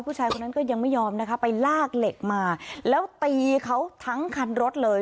ผู้ชายคนนั้นก็ยังไม่ยอมนะคะไปลากเหล็กมาแล้วตีเขาทั้งคันรถเลย